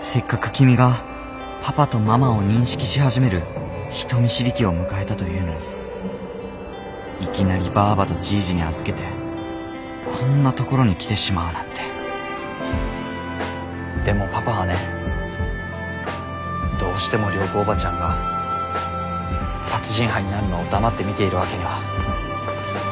せっかく君がパパとママを認識し始める人見知り期を迎えたというのにいきなりばぁばとじぃじに預けてこんなところに来てしまうなんてでもパパはねどうしても涼子伯母ちゃんが殺人犯になるのを黙って見ているわけには。